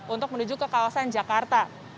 untuk menuju ke kawasan jakarta